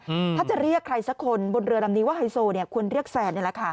อืมถ้าจะเรียกใครสักคนบนเรือลำนี้ว่าไฮโซเนี้ยควรเรียกแฟนนี่แหละค่ะ